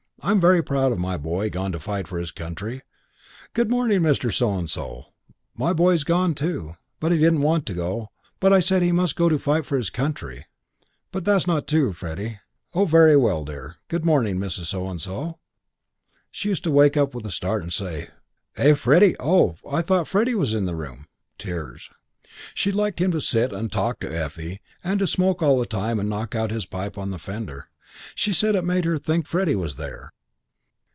I'm very proud of my boy gone to fight for his country. Good morning, Mr. So and So. My boy's gone to He didn't want to go, but I said he must go to fight for his country.... But that's not true, Freddie.... Oh, very well, dear. Good morning, Mrs. So and So. " She used to wake up with a start and say, "Eh, Freddie? Oh, I thought Freddie was in the room." Tears. She said she always looked forward to the evenings when Sabre came. She liked him to sit and talk to Effie and to smoke all the time and knock out his pipe on the fender. She said it made her think Freddie was there.